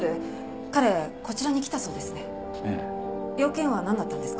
用件はなんだったんですか？